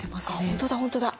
本当だ本当だ。